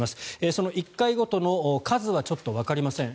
その１回ごとの数はちょっとわかりません。